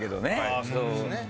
ああそうですね。